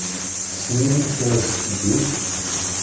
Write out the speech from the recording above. Tessnem amek ara s-teddum.